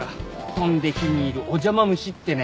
飛んで火に入るお邪魔虫ってね。